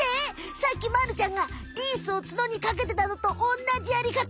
さっきまるちゃんがリースを角にかけてたのとおんなじやりかた。